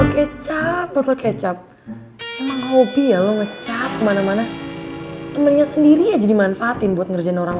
kecap kecap kecap obyek mana mana temennya sendiri jadi manfaatin buat ngerjain orang